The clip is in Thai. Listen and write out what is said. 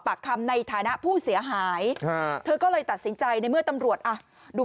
ปากคำในฐานะผู้เสียหายเธอก็เลยตัดสินใจในเมื่อตำรวจอ่ะดู